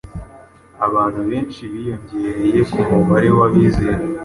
abantu benshi biyongereye ku mubare w’abizera.